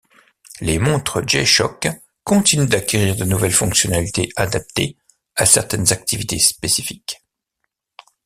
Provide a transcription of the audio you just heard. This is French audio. Les montres G-Shock continuent d'acquérir de nouvelles fonctionnalités adaptées à certaines activités spécifiques.